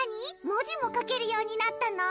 文字も書けるようになったの？